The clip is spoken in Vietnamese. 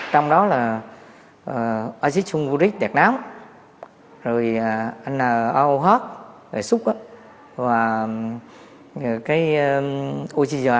trong đó là acid sunguric đẹp náo rồi aoh rồi suc và cái oxygene là